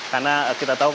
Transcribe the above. karena kita tahu